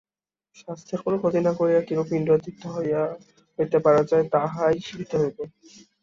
স্বাস্থ্যের কোন ক্ষতি না করিয়া কিরূপে ইন্দ্রিয়াতীত হইতে পারা যায়, তাহাই শিখিতে হইবে।